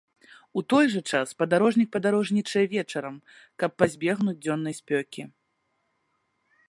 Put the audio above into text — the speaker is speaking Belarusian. У той жа час падарожнік падарожнічае вечарам, каб пазбегнуць дзённай спёкі.